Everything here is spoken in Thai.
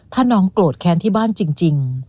ถ้าน้องโกรธแค้นที่บ้านจริง